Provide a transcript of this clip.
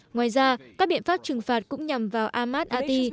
ngoài ra các biện pháp trừng phạt cũng nhằm vào ahmad ati